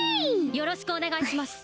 よろしくお願いします